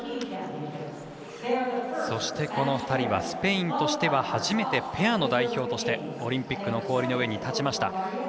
そして、この２人はスペインとしては初めてペアの代表としてオリンピックの氷の上に立ちました。